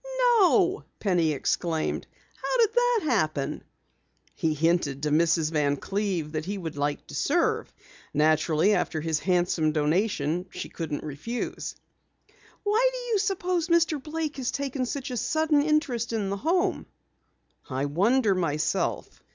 "No!" Penny exclaimed. "How did that happen?" "He hinted to Mrs. Van Cleve that he would like to serve. Naturally, after his handsome donation, she couldn't refuse." "Why do you suppose Mr. Blake has taken such a sudden interest in the Home?" "I wonder myself.